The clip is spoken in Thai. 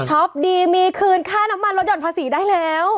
ดีมีคืนค่าน้ำมันลดห่อนภาษีได้แล้ว